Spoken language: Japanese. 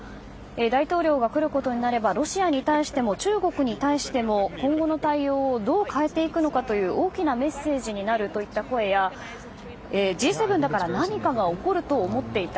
大統領が来ることになればロシアに対しても中国に対しても、今後の対応をどう変えていくのかという大きなメッセージになるといった声やＧ７だから何かが起こると思っていた。